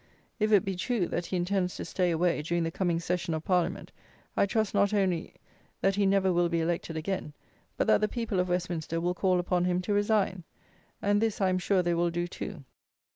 If it be true, that he intends to stay away, during the coming session of Parliament, I trust, not only, that he never will be elected again; but, that the people of Westminster will call upon him to resign; and this, I am sure they will do too.